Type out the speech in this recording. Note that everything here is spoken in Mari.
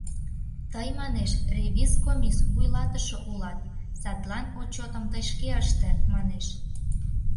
Тый, манеш, ревиз комис вуйлатыше улат, садлан отчётым тый шке ыште, манеш.